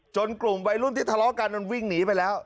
กลุ่มวัยรุ่นที่ทะเลาะกันมันวิ่งหนีไปแล้ว